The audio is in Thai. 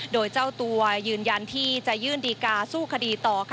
โดยเจ้าตัวยืนยันที่จะยื่นดีกาสู้คดีต่อ